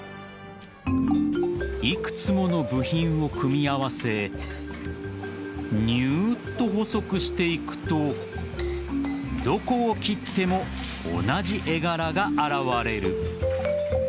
いくつもの部品を組み合わせにゅーっと細くしていくとどこを切っても同じ絵柄が現れる。